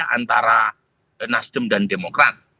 antara nasdem dan demokrat